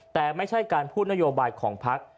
แต่ไม่ใช่การพูดนโยบายของพัก